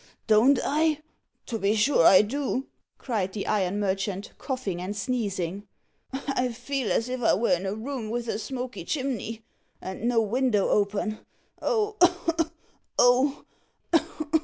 "Don't I! to be sure I do," cried the iron merchant, coughing and sneezing. "I feel as if I were in a room with a smoky chimney, and no window open. Oh! oh!